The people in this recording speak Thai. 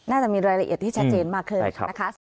น่าจะมีรายละเอียดที่ชัดเจนมากขึ้นนะคะ